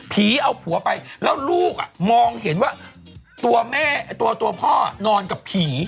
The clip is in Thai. เอาผัวไปแล้วลูกมองเห็นว่าตัวแม่ตัวพ่อนอนกับผี